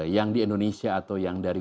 yang di indonesia atau yang dari